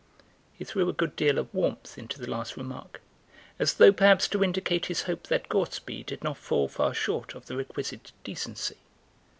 He threw a good deal of warmth into the last remark, as though perhaps to indicate his hope that Gortsby did not fall far short of the requisite decency.